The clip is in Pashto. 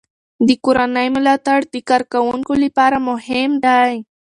د کورنۍ ملاتړ د کارکوونکو لپاره مهم دی.